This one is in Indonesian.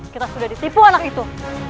kita sudah ditipu anak itu